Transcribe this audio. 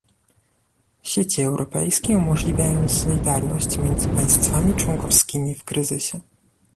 Sieci europejskie umożliwią solidarność między państwami członkowskimi w kryzysie